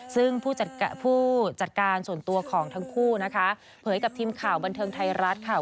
ซึ่งผู้จัดการส่วนตัวของทั้งคู่นะคะเผยกับทีมข่าวบันเทิงไทยรัฐค่ะ